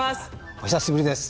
お久しぶりです。